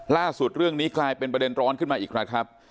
ล่าสุดเรื่องนี้กลายเป็นประเด็นร้อนขึ้นมาอีกแล้วครับ